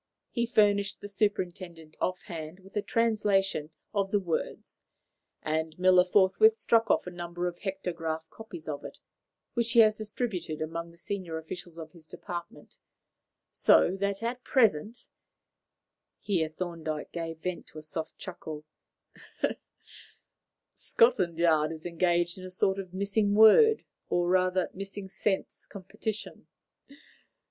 He furnished the Superintendent off hand with a translation of the words, and Miller forthwith struck off a number of hectograph copies of it, which he has distributed among the senior officials of his department; so that at present" here Thorndyke gave vent to a soft chuckle "Scotland Yard is engaged in a sort of missing word or, rather, missing sense competition.